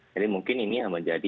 jadi mungkin ini akan menjadi